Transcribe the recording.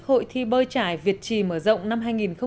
hội thi bơi trải việt trì mở rộng năm hai nghìn một mươi bảy